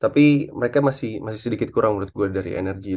tapi mereka masih sedikit kurang menurut gue dari energi